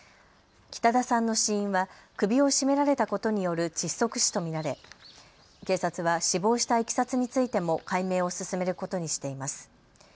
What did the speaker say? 北田さんの死因は首を絞められたことによる窒息死と見られ警察は死亡したいきさつについても解明を進めることにしています。